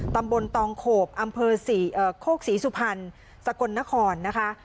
ตำบลตองโขบอำเภอสี่เอ่อโคกษีสุพรรณสกลนครนะคะ